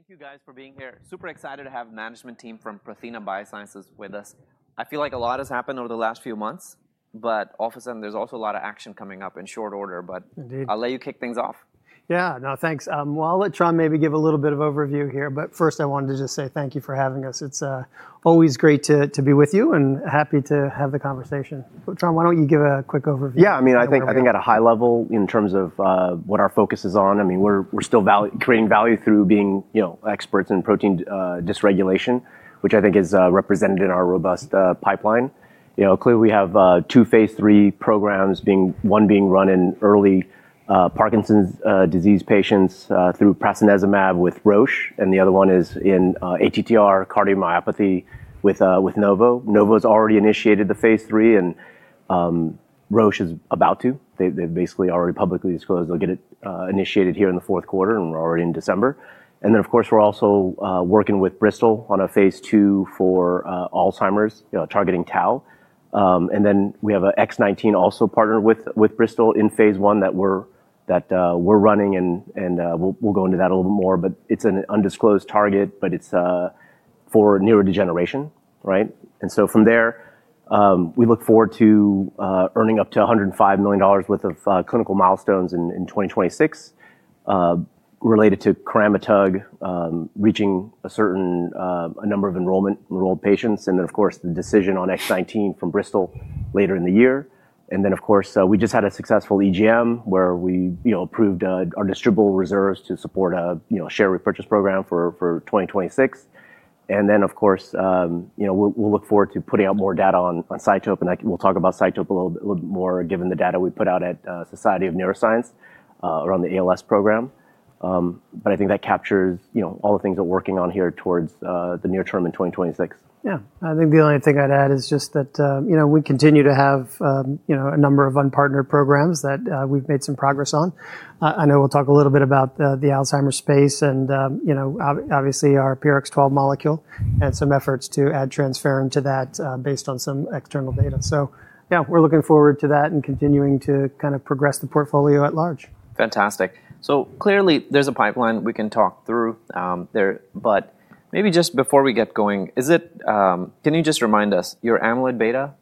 Thank you, guys, for being here. Super excited to have the management team from Prothena Biosciences with us. I feel like a lot has happened over the last few months, but all of a sudden there's also a lot of action coming up in short order. But I'll let you kick things off. Yeah, no, thanks. Well, I'll let Gene maybe give a little bit of overview here. But first, I wanted to just say thank you for having us. It's always great to be with you and happy to have the conversation. But, Gene, why don't you give a quick overview? Yeah, I mean, I think at a high level, in terms of what our focus is on, I mean, we're still creating value through being experts in protein dysregulation, which I think is represented in our robust pipeline. Clearly, we have two phase III programs, one being run in early Parkinson's disease patients through prasinezumab with Roche, and the other one is in ATTR cardiomyopathy with Novo. Novo has already initiated the phase III, and Roche is about to. They've basically already publicly disclosed they'll get it initiated here in the fourth quarter, and we're already in December. And then, of course, we're also working with Bristol on a phase II for Alzheimer's, targeting tau. And then we have X019 also partnered with Bristol in phase I that we're running, and we'll go into that a little bit more. But it's an undisclosed target, but it's for neurodegeneration, right? And so from there, we look forward to earning up to $105 million worth of clinical milestones in 2026 related to coramitug reaching a certain number of enrolled patients. And then, of course, the decision on X019 from Bristol later in the year. And then, of course, we just had a successful EGM where we approved our distributable reserves to support a share repurchase program for 2026. And then, of course, we'll look forward to putting out more data on CYTOPE. And we'll talk about CYTOPE a little bit more given the data we put out at Society for Neuroscience around the ALS program. But I think that captures all the things we're working on here towards the near-term in 2026. Yeah, I think the only thing I'd add is just that we continue to have a number of unpartnered programs that we've made some progress on. I know we'll talk a little bit about the Alzheimer's space and, obviously, our PRX012 molecule and some efforts to add transferrin to that based on some external data. So, yeah, we're looking forward to that and continuing to kind of progress the portfolio at large. Fantastic. So clearly, there's a pipeline we can talk through there. But maybe just before we get going, can you just remind us your amyloid beta?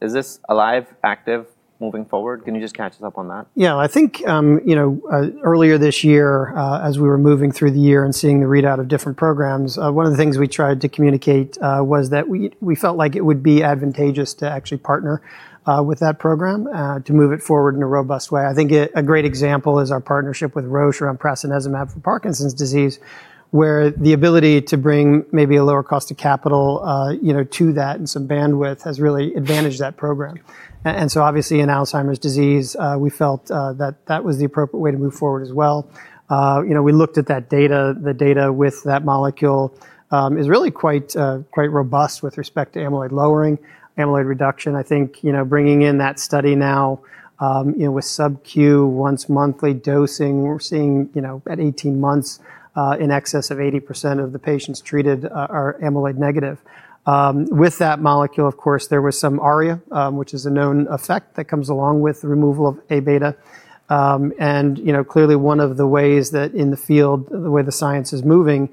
Is this alive, active, moving forward? Can you just catch us up on that? Yeah, I think earlier this year, as we were moving through the year and seeing the readout of different programs, one of the things we tried to communicate was that we felt like it would be advantageous to actually partner with that program to move it forward in a robust way. I think a great example is our partnership with Roche around prasinezumab for Parkinson's disease, where the ability to bring maybe a lower cost of capital to that and some bandwidth has really advantaged that program. And so, obviously, in Alzheimer's disease, we felt that that was the appropriate way to move forward as well. We looked at that data. The data with that molecule is really quite robust with respect to amyloid lowering, amyloid reduction. I think bringing in that study now with sub-Q once monthly dosing, we're seeing at 18 months in excess of 80% of the patients treated are amyloid negative. With that molecule, of course, there was some ARIA, which is a known effect that comes along with the removal of A beta, and clearly, one of the ways that in the field, the way the science is moving,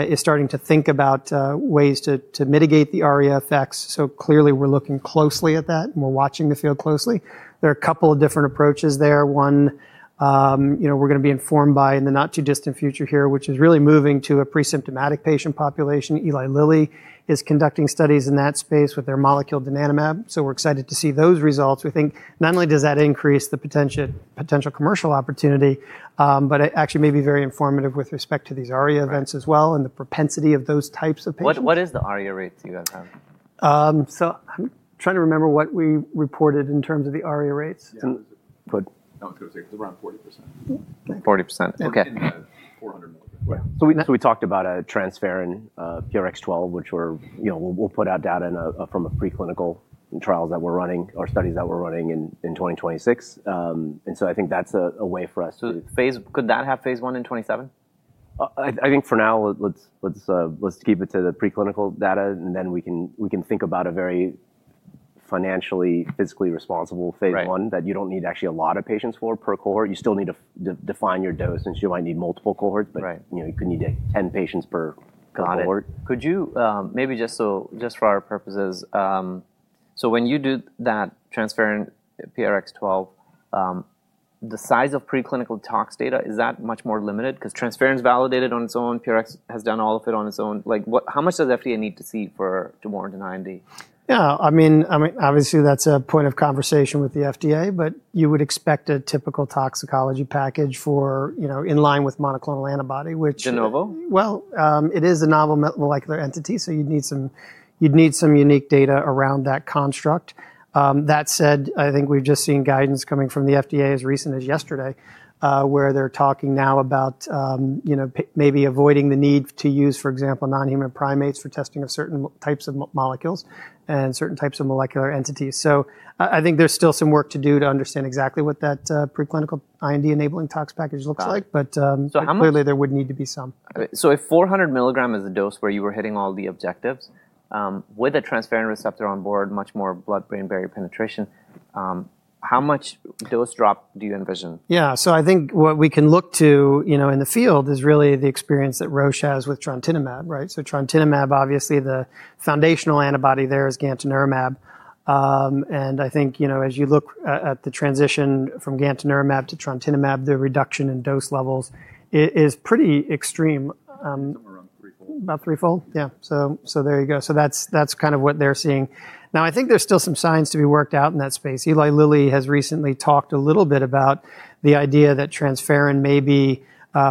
is starting to think about ways to mitigate the ARIA effects, so clearly, we're looking closely at that, and we're watching the field closely. There are a couple of different approaches there. One we're going to be informed by in the not too distant future here, which is really moving to a pre-symptomatic patient population. Eli Lilly is conducting studies in that space with their molecule donanemab, so we're excited to see those results. We think not only does that increase the potential commercial opportunity, but it actually may be very informative with respect to these ARIA events as well and the propensity of those types of patients. What is the ARIA rate you guys have? I'm trying to remember what we reported in terms of the ARIA rates. Good. I was going to say it was around 40%. 40%. Okay. 400 mg. So we talked about a transferrin PRX012, which we'll put out data from our preclinical trials that we're running, our studies that we're running in 2026. And so I think that's a way for us to. Could that have phase I in 2027? I think for now, let's keep it to the preclinical data, and then we can think about a very financially, physically responsible phase I that you don't need actually a lot of patients for per cohort. You still need to define your dose, and you might need multiple cohorts, but you could need 10 patients per cohort. Got it. Could you maybe just for our purposes, so when you do that transferrin PRX012, the size of preclinical tox data, is that much more limited? Because transferrin is validated on its own. PRX has done all of it on its own. How much does the FDA need to see for to warrant an IND? Yeah, I mean, obviously, that's a point of conversation with the FDA, but you would expect a typical toxicology package in line with monoclonal antibody, which. De novo? It is a novel molecular entity, so you'd need some unique data around that construct. That said, I think we've just seen guidance coming from the FDA as recent as yesterday, where they're talking now about maybe avoiding the need to use, for example, non-human primates for testing of certain types of molecules and certain types of molecular entities. So I think there's still some work to do to understand exactly what that preclinical IND enabling tox package looks like. But clearly, there would need to be some. So if 400 mg is the dose where you were hitting all the objectives with a transferrin receptor on board, much more blood-brain barrier penetration, how much dose drop do you envision? Yeah, so I think what we can look to in the field is really the experience that Roche has with trontinemab, right? So trontinemab, obviously, the foundational antibody there is gantenerumab. And I think as you look at the transition from gantenerumab to trontinemab, the reduction in dose levels is pretty extreme. Somewhere around threefold. About threefold, yeah. So there you go. So that's kind of what they're seeing. Now, I think there's still some signs to be worked out in that space. Eli Lilly has recently talked a little bit about the idea that transferrin may be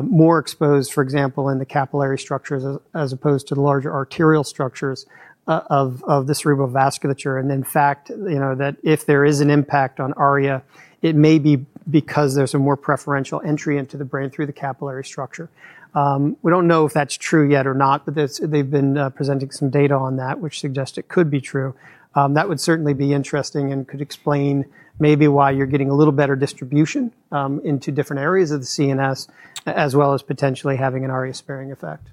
more exposed, for example, in the capillary structures as opposed to the larger arterial structures of the cerebral vasculature. And in fact, that if there is an impact on ARIA, it may be because there's a more preferential entry into the brain through the capillary structure. We don't know if that's true yet or not, but they've been presenting some data on that, which suggests it could be true. That would certainly be interesting and could explain maybe why you're getting a little better distribution into different areas of the CNS, as well as potentially having an ARIA-sparing effect.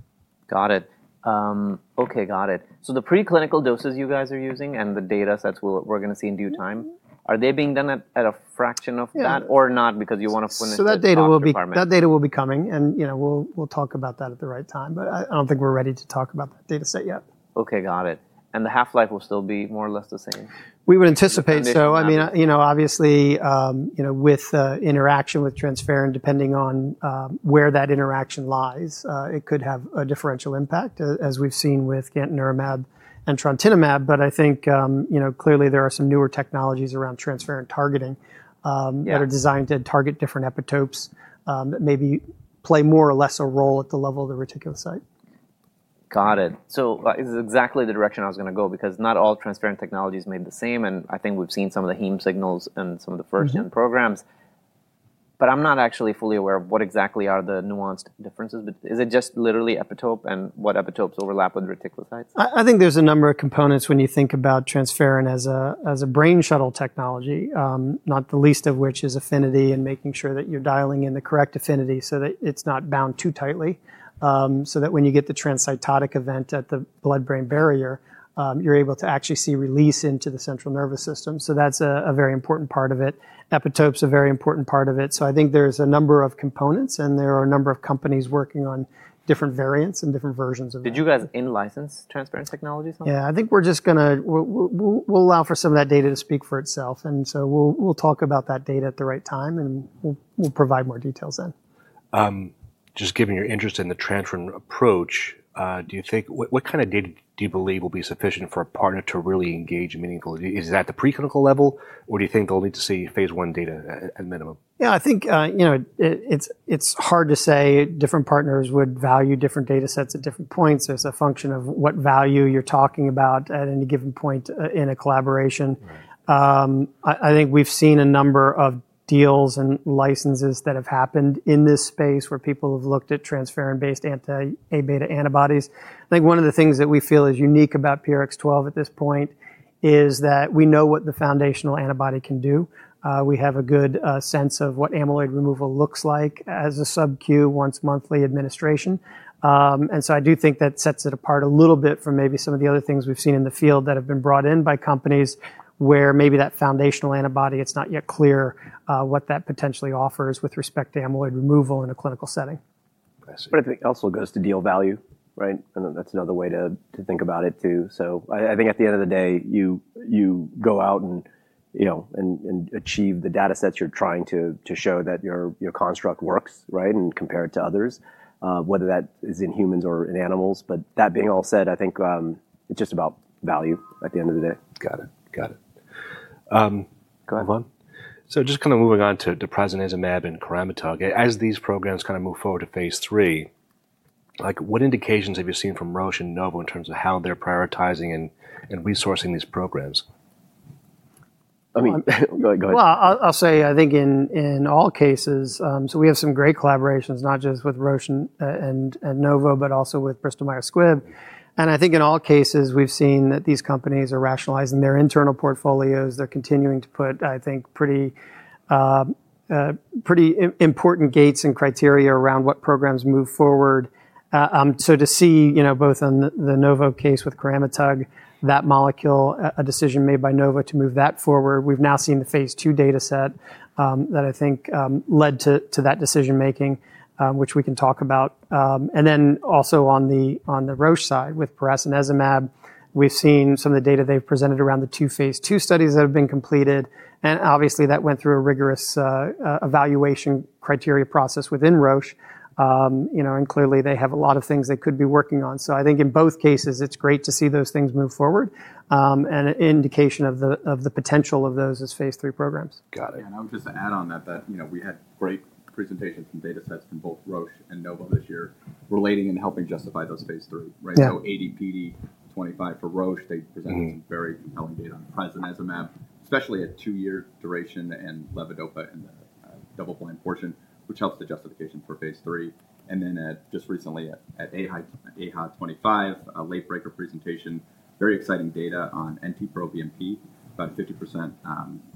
Got it. Okay, got it. So the preclinical doses you guys are using and the data sets we're going to see in due time, are they being done at a fraction of that or not because you want to put into the requirement? So that data will be coming, and we'll talk about that at the right time. But I don't think we're ready to talk about that data set yet. Okay, got it. And the half-life will still be more or less the same? We would anticipate so. I mean, obviously, with interaction with transferrin, depending on where that interaction lies, it could have a differential impact, as we've seen with gantenerumab and trontinemab. But I think clearly there are some newer technologies around transferrin targeting that are designed to target different epitopes that maybe play more or less a role at the level of the reticulocyte. Got it. So this is exactly the direction I was going to go because not all transferrin technologies are made the same. And I think we've seen some of the heme signals and some of the first-gen programs. But I'm not actually fully aware of what exactly are the nuanced differences. But is it just literally epitope and what epitopes overlap with reticulocyte sites? I think there's a number of components when you think about transferrin as a brain shuttle technology, not the least of which is affinity and making sure that you're dialing in the correct affinity so that it's not bound too tightly, so that when you get the transcytotic event at the blood-brain barrier, you're able to actually see release into the central nervous system. So that's a very important part of it. Epitopes are a very important part of it. So I think there's a number of components, and there are a number of companies working on different variants and different versions of it. Did you guys in-license transferrin technologies? Yeah, I think we're just going to allow for some of that data to speak for itself, and so we'll talk about that data at the right time, and we'll provide more details then. Just given your interest in the transferrin approach, do you think, what kind of data do you believe will be sufficient for a partner to really engage meaningfully? Is that at the preclinical level, or do you think they'll need to see phase I data at minimum? Yeah, I think it's hard to say. Different partners would value different data sets at different points. So it's a function of what value you're talking about at any given point in a collaboration. I think we've seen a number of deals and licenses that have happened in this space where people have looked at transferrin-based anti-A beta antibodies. I think one of the things that we feel is unique about PRX012 at this point is that we know what the foundational antibody can do. We have a good sense of what amyloid removal looks like as a sub-Q once monthly administration. I do think that sets it apart a little bit from maybe some of the other things we've seen in the field that have been brought in by companies where maybe that foundational antibody. It's not yet clear what that potentially offers with respect to amyloid removal in a clinical setting. But I think it also goes to deal value, right? And that's another way to think about it too. So I think at the end of the day, you go out and achieve the data sets you're trying to show that your construct works, right, and compare it to others, whether that is in humans or in animals. But that being all said, I think it's just about value at the end of the day. Got it. Got it. Just kind of moving on to prasinezumab and coramitug, as these programs kind of move forward to phase III, what indications have you seen from Roche and Novo in terms of how they're prioritizing and resourcing these programs? I mean. I'll say, I think in all cases, so we have some great collaborations, not just with Roche and Novo, but also with Bristol Myers Squibb. And I think in all cases, we've seen that these companies are rationalizing their internal portfolios. They're continuing to put, I think, pretty important gates and criteria around what programs move forward. So to see both in the Novo case with coramitug, that molecule, a decision made by Novo to move that forward. We've now seen the phase II data set that I think led to that decision-making, which we can talk about. And then also on the Roche side with prasinezumab, we've seen some of the data they've presented around the two phase II studies that have been completed. And obviously, that went through a rigorous evaluation criteria process within Roche. Clearly, they have a lot of things they could be working on. I think in both cases, it's great to see those things move forward. An indication of the potential of those is phase III programs. Got it. And I would just add on that that we had great presentations from data sets from both Roche and Novo this year relating and helping justify those phase III, right? So AD/PD 2025 for Roche, they presented some very compelling data on prasinezumab, especially at two-year duration and levodopa in the double-blind portion, which helps the justification for phase III. And then just recently at AHA 2025, a late-breaker presentation, very exciting data on NT-proBNP, about a 50%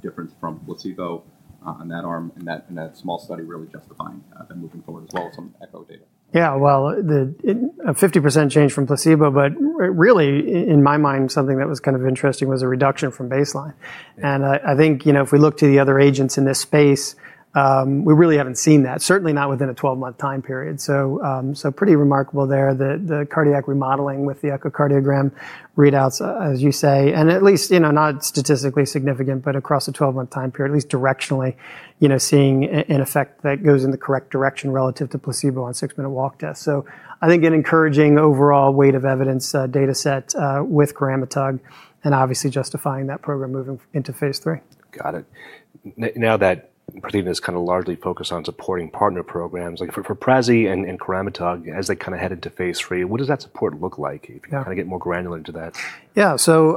difference from placebo on that arm. And that small study really justifying them moving forward as well as some echo data. Yeah, well, a 50% change from placebo, but really, in my mind, something that was kind of interesting was a reduction from baseline. And I think if we look to the other agents in this space, we really haven't seen that, certainly not within a 12-month time period. So pretty remarkable there, the cardiac remodeling with the echocardiogram readouts, as you say, and at least not statistically significant, but across a 12-month time period, at least directionally, seeing an effect that goes in the correct direction relative to placebo on six-minute walk tests. So I think an encouraging overall weight of evidence data set with coramitug and obviously justifying that program moving into phase III. Got it. Now that Prothena is kind of largely focused on supporting partner programs, for PRX005 and coramitug, as they kind of head into phase III, what does that support look like if you kind of get more granular into that? Yeah, so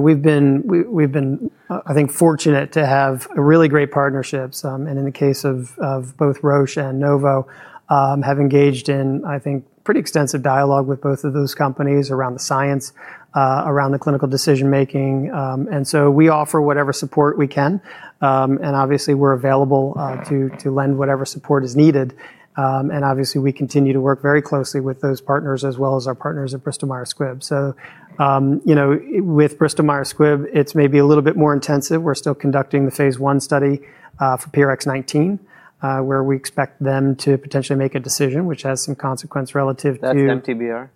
we've been, I think, fortunate to have really great partnerships. And in the case of both Roche and Novo, we have engaged in, I think, pretty extensive dialogue with both of those companies around the science, around the clinical decision-making. And so we offer whatever support we can. And obviously, we're available to lend whatever support is needed. And obviously, we continue to work very closely with those partners as well as our partners at Bristol Myers Squibb. So with Bristol Myers Squibb, it's maybe a little bit more intensive. We're still conducting the phase I study for PRX019, where we expect them to potentially make a decision, which has some consequence relative to. That's MTBR?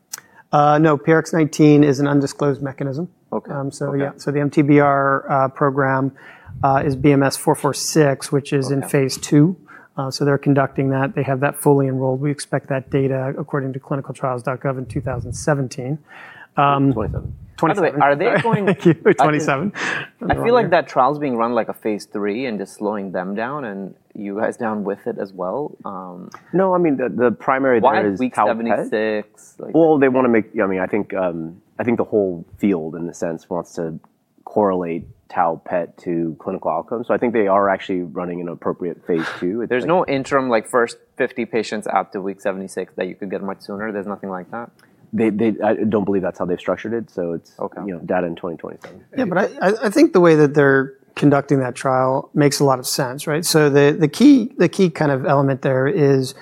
No, PRPRX019 is an undisclosed mechanism. So yeah, so the MTBR program is BMS-986446, which is in phase II. So they're conducting that. They have that fully enrolled. We expect that data according to ClinicalTrials.gov in 2017. 2027. 2027. By the way, are they going? Thank you. 2027. I feel like that trial's being run like a phase III and just slowing them down and you guys down with it as well. No, I mean, the primary thing is tau PET. Why? Week 76. They want to make. I mean, I think the whole field, in a sense, wants to correlate tau PET to clinical outcomes. I think they are actually running an appropriate phase II. There's no interim like first 50 patients out to week 76 that you could get much sooner? There's nothing like that? I don't believe that's how they've structured it, so it's data in 2027. Yeah, but I think the way that they're conducting that trial makes a lot of sense, right? So the key kind of element there is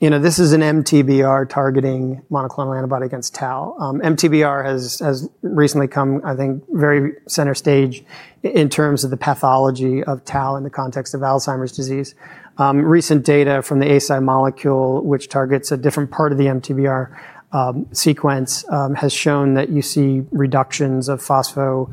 this is an MTBR targeting monoclonal antibody against tau. MTBR has recently come, I think, very center stage in terms of the pathology of tau in the context of Alzheimer's disease. Recent data from the ACI molecule, which targets a different part of the MTBR sequence, has shown that you see reductions of phospho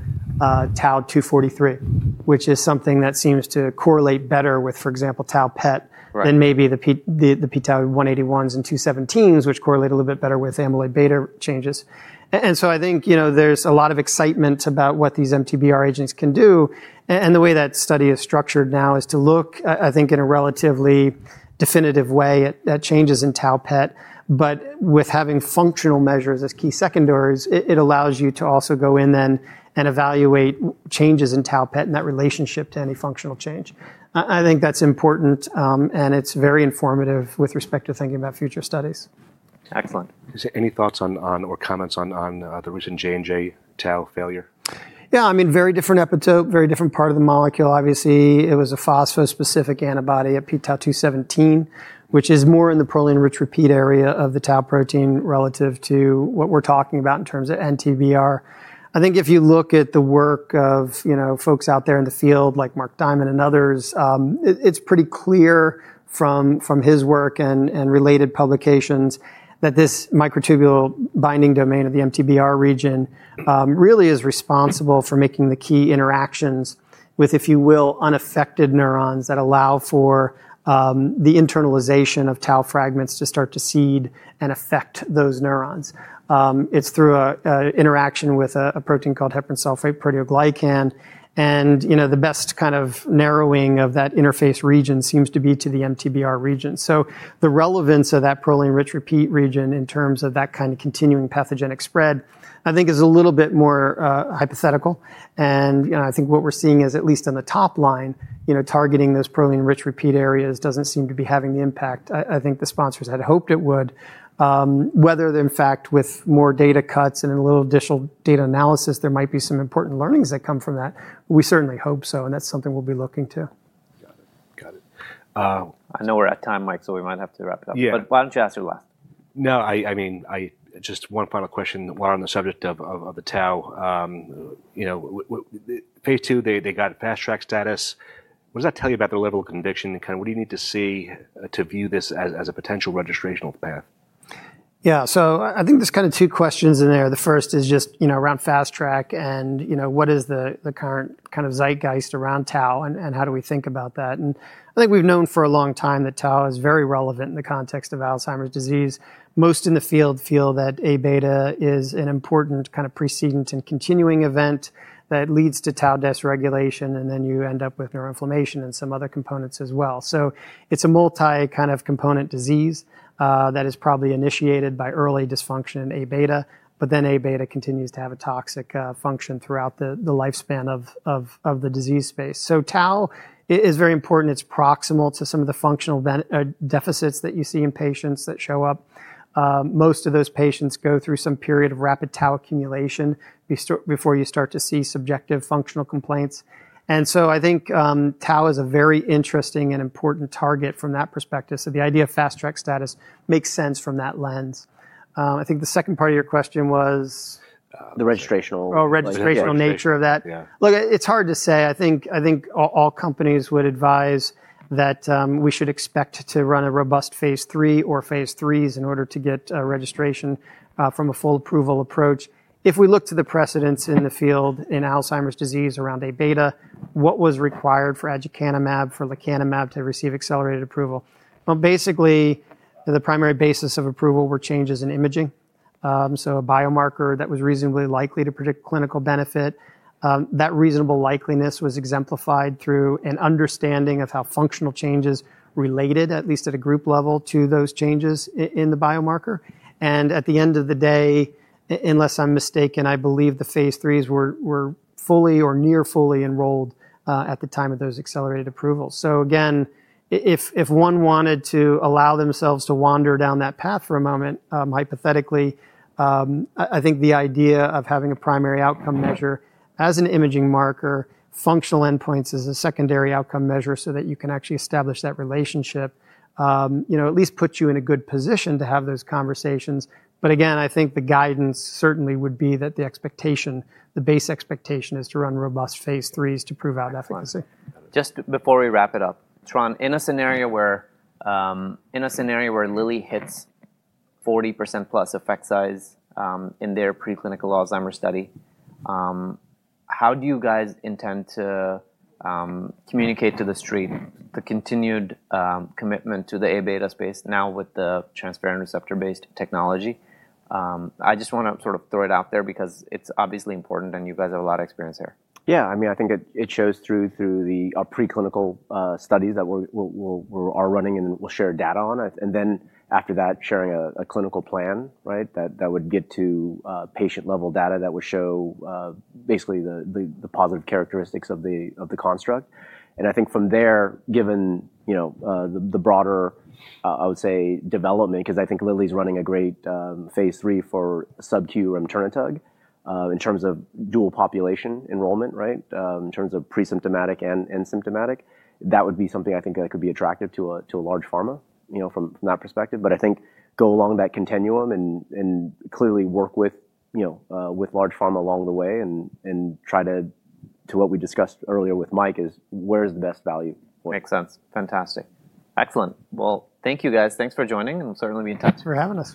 tau-243, which is something that seems to correlate better with, for example, tau PET than maybe the pTau-181s and 217s, which correlate a little bit better with amyloid beta changes. And so I think there's a lot of excitement about what these MTBR agents can do. And the way that study is structured now is to look, I think, in a relatively definitive way at changes in tau PET. But with having functional measures as key secondaries, it allows you to also go in then and evaluate changes in tau PET and that relationship to any functional change. I think that's important, and it's very informative with respect to thinking about future studies. Excellent. Any thoughts on or comments on the recent J&J tau failure? Yeah, I mean, very different epitope, very different part of the molecule. Obviously, it was a phospho-specific antibody at pTau-217, which is more in the proline-rich repeat area of the tau protein relative to what we're talking about in terms of MTBR. I think if you look at the work of folks out there in the field like Marc Diamond and others, it's pretty clear from his work and related publications that this microtubule binding domain of the MTBR region really is responsible for making the key interactions with, if you will, unaffected neurons that allow for the internalization of tau fragments to start to seed and affect those neurons. It's through an interaction with a protein called heparan sulfate proteoglycan. And the best kind of narrowing of that interface region seems to be to the MTBR region. So the relevance of that proline-rich repeat region in terms of that kind of continuing pathogenic spread, I think, is a little bit more hypothetical. And I think what we're seeing is, at least on the top line, targeting those proline-rich repeat areas doesn't seem to be having the impact I think the sponsors had hoped it would. Whether then, in fact, with more data cuts and a little additional data analysis, there might be some important learnings that come from that, we certainly hope so. And that's something we'll be looking to. Got it. Got it. I know we're at time, Mike, so we might have to wrap it up. But why don't you ask your last? No, I mean, just one final question while we're on the subject of the tau. Phase II, they got fast-track status. What does that tell you about their level of conviction? Kind of, what do you need to see to view this as a potential registrational path? Yeah, so I think there's kind of two questions in there. The first is just around fast-track and what is the current kind of zeitgeist around tau and how do we think about that? And I think we've known for a long time that tau is very relevant in the context of Alzheimer's disease. Most in the field feel that A beta is an important kind of precedent and continuing event that leads to tau deregulation, and then you end up with neuroinflammation and some other components as well. So it's a multi-kind of component disease that is probably initiated by early dysfunction in A beta, but then A beta continues to have a toxic function throughout the lifespan of the disease space. So tau is very important. It's proximal to some of the functional deficits that you see in patients that show up. Most of those patients go through some period of rapid tau accumulation before you start to see subjective functional complaints. And so I think tau is a very interesting and important target from that perspective. So the idea of fast-track status makes sense from that lens. I think the second part of your question was. The registrational. Oh, registrational nature of that. Look, it's hard to say. I think all companies would advise that we should expect to run a robust phase III or phase IIIs in order to get registration from a full approval approach. If we look to the precedents in the field in Alzheimer's disease around A beta, what was required for aducanumab, for lecanemab to receive accelerated approval? Basically, the primary basis of approval were changes in imaging. So a biomarker that was reasonably likely to predict clinical benefit. That reasonable likeliness was exemplified through an understanding of how functional changes related, at least at a group level, to those changes in the biomarker. And at the end of the day, unless I'm mistaken, I believe the phase IIIs were fully or near fully enrolled at the time of those accelerated approvals. Again, if one wanted to allow themselves to wander down that path for a moment, hypothetically, I think the idea of having a primary outcome measure as an imaging marker, functional endpoints as a secondary outcome measure so that you can actually establish that relationship, at least put you in a good position to have those conversations. But again, I think the guidance certainly would be that the expectation, the base expectation is to run robust phase IIIs to prove out efficacy. Just before we wrap it up, Tran, in a scenario where Lilly hits 40%+ effect size in their preclinical Alzheimer's study, how do you guys intend to communicate to the street the continued commitment to the A beta space now with the transferrin receptor-based technology? I just want to sort of throw it out there because it's obviously important and you guys have a lot of experience here. Yeah, I mean, I think it shows through our preclinical studies that we are running and we'll share data on. And then after that, sharing a clinical plan, right, that would get to patient-level data that would show basically the positive characteristics of the construct. And I think from there, given the broader, I would say, development, because I think Lilly's running a great phase III for sub-Q remternetug in terms of dual population enrollment, right, in terms of pre-symptomatic and symptomatic, that would be something I think that could be attractive to a large pharma from that perspective. But I think go along that continuum and clearly work with large pharma along the way and try to, to what we discussed earlier with Mike, is where's the best value point. Makes sense. Fantastic. Excellent. Well, thank you guys. Thanks for joining. And certainly be in touch. Thanks for having us.